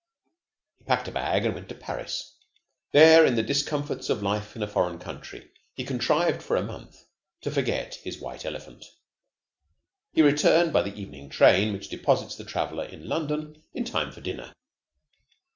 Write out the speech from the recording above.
He packed a bag, and went to Paris. There, in the discomforts of life in a foreign country, he contrived for a month to forget his white elephant. He returned by the evening train which deposits the traveler in London in time for dinner.